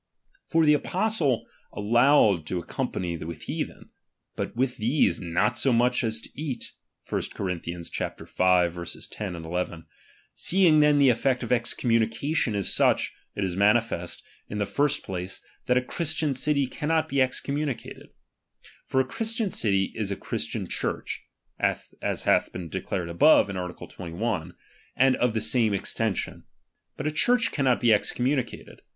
For the apostle allowed to ac company with heathen ; but with these, not so much tts to eat (1 Cor. v. 10 11). Seeing then the effect of excommunication is such, it is manifest, In tlie "first place, that a Christian city cannot he ex^o/n miunicated. For a Christian city is a Christian Church, (as hath been declared above, in art. 21), and of the same extension ; but a Church cannot be excommunicated.